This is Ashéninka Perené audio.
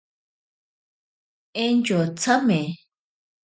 Entyo tsame.